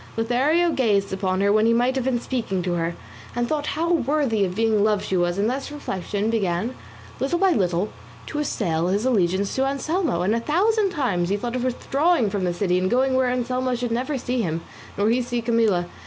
Lothario gazed upon her when he might have been speaking to her, and thought how worthy of being loved she was; and thus reflection began little by little to assail his allegiance to Anselmo, and a thousand times he thought of withdrawing from the city and going where Anselmo should never see him nor he see Camilla.